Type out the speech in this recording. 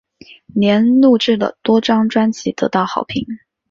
莲录制的多张专辑得到好评。